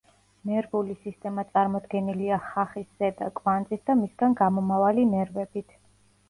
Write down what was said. ნერვული სისტემა წარმოდგენილია ხახის ზედა კვანძით და მისგან გამომავალი ნერვებით.